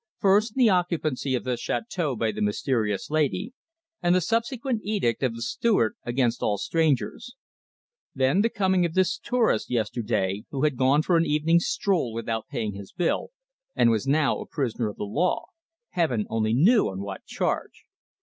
First the occupancy of the château by the mysterious lady, and the subsequent edict of the steward against all strangers; then the coming of this tourist yesterday, who had gone for an evening stroll without paying his bill, and was now a prisoner of the law, Heaven only knew on what charge!